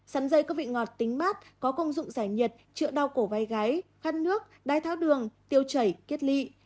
sắn dây có vị ngọt tính mát có công dụng giải nhiệt trựa đau cổ vai gái khăn nước đai tháo đường tiêu chảy kiết lị